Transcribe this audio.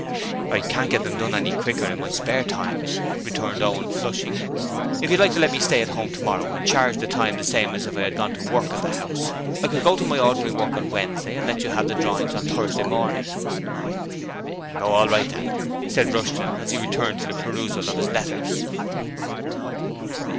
'I can't get them done any quicker in my spare time,' returned Owen, flushing. 'If you like to let me stay home tomorrow and charge the time the same as if I had gone to work at the house, I could go to my ordinary work on Wednesday and let you have the drawings on Thursday morning.' 'Oh, all right,' said Rushton as he returned to the perusal of his letters.